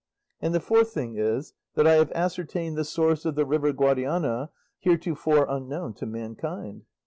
And the fourth thing is, that I have ascertained the source of the river Guadiana, heretofore unknown to mankind."